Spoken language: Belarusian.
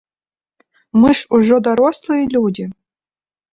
Мы ж ужо дарослыя людзі.